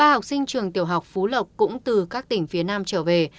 ba học sinh trường tiểu học phú lộc cũng từ các tỉnh phía nam trở về